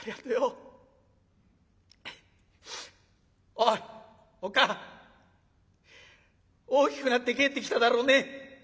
おいおっ母ぁ大きくなって帰ってきただろうね」。